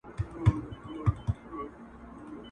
جنازې دي د بګړیو هدیرې دي چي ډکیږي.!